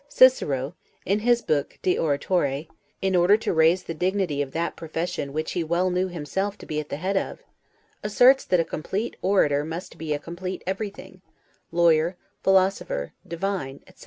Cicero, in his book 'De Oratore', in order to raise the dignity of that profession which he well knew himself to be at the head of, asserts that a complete orator must be a complete everything, lawyer, philosopher, divine, etc.